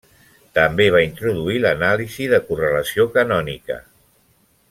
També va introduir l'anàlisi de correlació canònica.